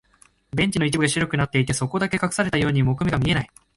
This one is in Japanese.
ベンチの一部が白くなっていて、そこだけ隠されたように木目が見えない。